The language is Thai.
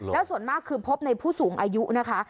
แล้วส่วนมากคือพบในผู้สูงอายุนะคะ